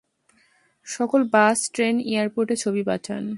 সকল bus, train, এয়ারপোর্টে ছবি পাঠান।